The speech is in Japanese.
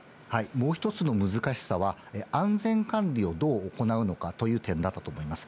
もう１つの難しさは、安全管理をどう行うのかという点だったと思います。